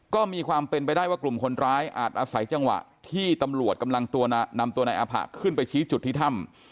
ก็มีความเป็นไปได้ว่ากลุ่มคนร้ายอาจอาศัยจังหวะที่ตำรวจกำลังนำตัวนายอาผะขึ้นไปชี้จุดที่ถ้ำ